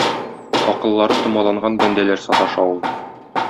Акыллары томаланган бәндәләр саташа ул.